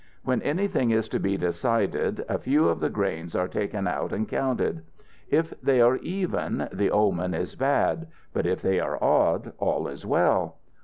When anything is to be decided, a few of the grains are taken out and counted. If they are even, the omen is bad, but if they are odd, all is well.